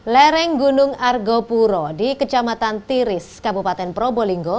lereng gunung argo puro di kecamatan tiris kabupaten probolinggo